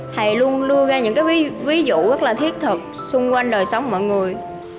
thầy luôn đưa ra những cái ví dụ rất là thiết thực xung quanh đời sống mọi người